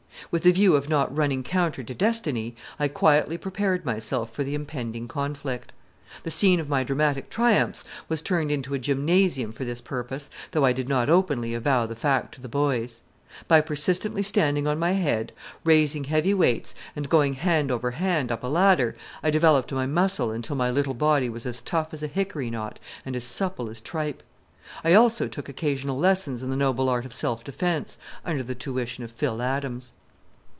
With the view of not running counter to destiny, I quietly prepared myself for the impending conflict. The scene of my dramatic triumphs was turned into a gymnasium for this purpose, though I did not openly avow the fact to the boys. By persistently standing on my head, raising heavy weights, and going hand over hand up a ladder, I developed my muscle until my little body was as tough as a hickory knot and as supple as tripe. I also took occasional lessons in the noble art of self defence, under the tuition of Phil Adams.